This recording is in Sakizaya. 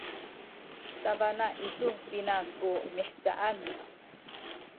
sabana isu pina ku mihcaan?